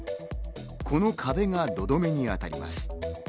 この壁が土留めに当たります。